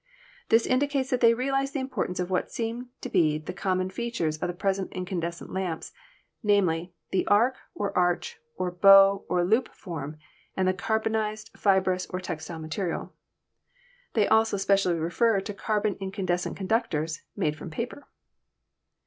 This indicates that they realized the importance of what seem to be the common features of the present electric incandescent lamps, namely, the arc or arch or bow or loop form, and the carbonized fibrous or textile material. They also specially refer to carbon in candescent conductors made from paper.